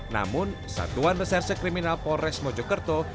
namun satuan besar sekriminal polres mojokerto